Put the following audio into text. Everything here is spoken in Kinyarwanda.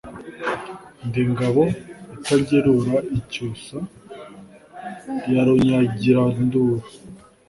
ndi ngabo itagerura icyusa ya runyagiranduru